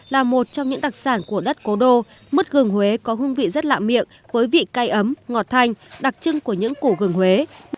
là một trong những đặc sản của đất cố đô mứt gừng huế có hương vị rất lạ miệng với vị cay ấm ngọt thanh đặc trưng của những củ gừng huế